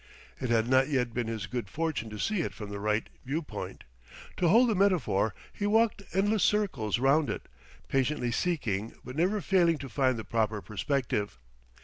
It had not yet been his good fortune to see it from the right viewpoint. To hold the metaphor, he walked endless circles round it, patiently seeking, but ever failing to find the proper perspective....